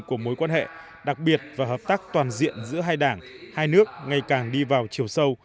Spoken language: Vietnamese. của mối quan hệ đặc biệt và hợp tác toàn diện giữa hai đảng hai nước ngày càng đi vào chiều sâu